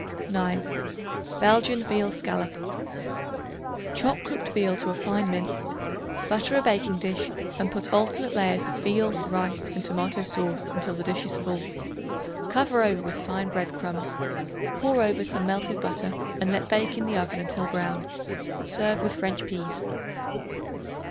9. Belgian Veal Scallop. Chop cooked veal to a fine mince; butter a baking dish and put alternate layers of veal, rice and tomato sauce until dish is full. Cover over with fine bread crumbs; pour over some melted butter and let bake in the oven until brown. Serve with French peas.